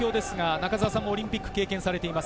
中澤さんもオリンピックを経験されています。